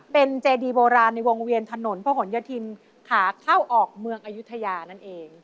เป็นเจดีโบราณในวงเวียนถนนพระหลโยธินขาเข้าออกเมืองอายุทยานั่นเอง